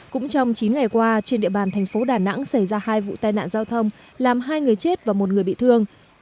cũng trong chín ngày qua trên địa bàn thành phố đà nẵng xảy ra hai vụ tai nạn giao thông làm hai người chết và một người bị thương